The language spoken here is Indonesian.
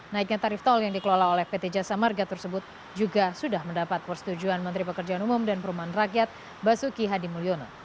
naiknya tarif tol yang dikelola oleh pt jasa marga tersebut juga sudah mendapat persetujuan menteri pekerjaan umum dan perumahan rakyat basuki hadimulyono